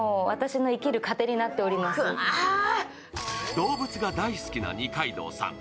動物が大好きな二階堂さん。